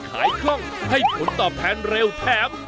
ขายคล่องให้ผลต่อแผนเร็วแทบ